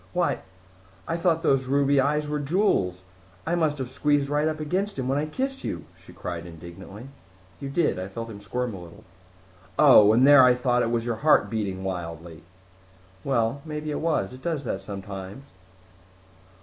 "Why, I thought those ruby eyes were jewels! I must have squeezed right up against him when I kissed you," she cried indignantly. "You did. I felt him squirm a little." "Oh! And here I thought it was your heart beating wildly." "Well, maybe it was. It does that sometimes."